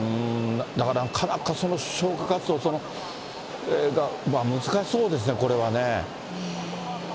だから、なかなか消火活動、難しそうですね、これはね。